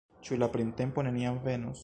Ĉu la printempo neniam venos?